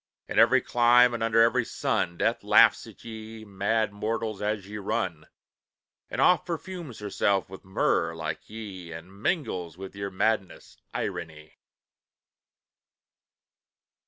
In every clime and under every sun, Death laughs at ye, mad mortals, as ye run; And oft perfumes herself with myrrh, like ye And mingles with your madness, irony!"